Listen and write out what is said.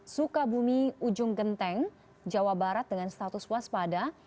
sukabumi ujung genteng jawa barat dengan status waspada